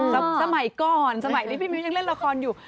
สมัยก่อนสมัยนี้พี่มิ้วยังเล่นละครอยู่